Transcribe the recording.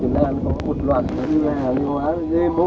khiến khách hàng không chạy qua hàng đêm